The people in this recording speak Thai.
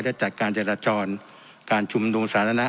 และจัดการจรรจรการจุ่มดูมสาธารณะ